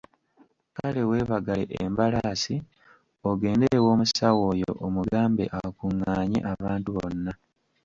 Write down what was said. Kale weebagale embalaasi ogende ew'omusawo oyo omugambe akungaanye abantu bonna.